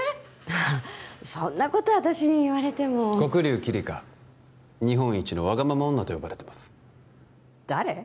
ああそんなこと私に言われても黒龍キリカ日本一のワガママ女と呼ばれてます誰？